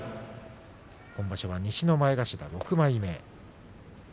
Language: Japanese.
今場所は西の前頭６枚目。